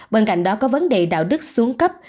bên cạnh đó có vấn đề đạo đức xuống cấp